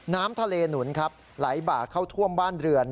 น้ำทะเลหนุนครับไหลบ่าเข้าท่วมบ้านเรือน